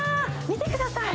見てください。